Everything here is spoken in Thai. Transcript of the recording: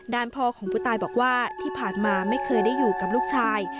ด้านพ่อของผู้ตายบอกว่าที่ผ่านมาไม่เคยได้อยู่กับลูกชาย